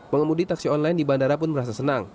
pengemudi taksi online di bandara pun merasa senang